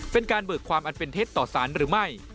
เป็นการเบิกความอันเป็นเท็จต่อสารหรือไม่